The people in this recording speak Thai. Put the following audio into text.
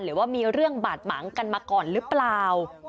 หรือว่ามีเรื่องบาดหมางกันมาก่อนหรือเปล่า